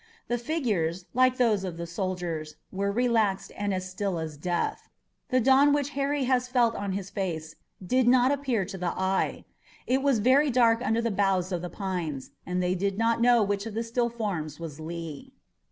The figures, like those of the soldiers, were relaxed and as still as death. The dawn which Harry has felt on his face did not appear to the eye. It was very dark under the boughs of the pines, and they did not know which of the still forms was Lee.